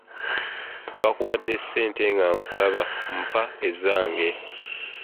Bakuwadde ssente nga nkulaba mpa ezange.